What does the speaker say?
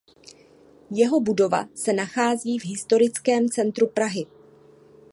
Jeho budova se nachází v historickém centru Prahy.